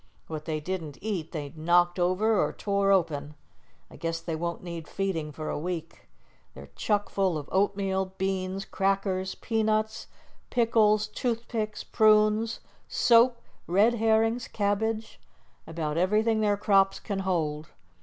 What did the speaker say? What they didn't eat they knocked over or tore open. I guess they won't need feeding for a week. They're chuckful of oatmeal, beans, crackers, peanuts, pickles, toothpicks, prunes, soap, red herrings, cabbage about everything their crops can hold."